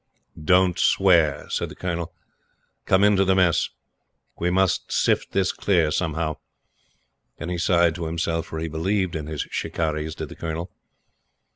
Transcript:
"Don't swear," said the Colonel. "Come into the Mess. We must sift this clear somehow," and he sighed to himself, for he believed in his "Shikarris," did the Colonel.